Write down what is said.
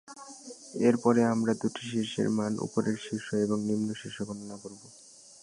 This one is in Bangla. এরপরে আমরা দুটি শীর্ষের মান, উপরের শীর্ষ এবং নিম্ন শীর্ষ গণনা করব।